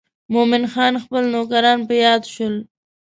مومن خان خپل نوکران په یاد شول.